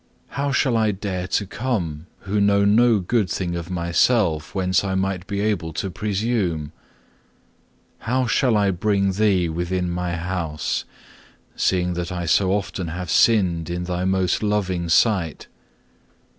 How shall I dare to come, who know no good thing of myself, whence I might be able to presume? How shall I bring Thee within my house, seeing that I so often have sinned in Thy most loving sight?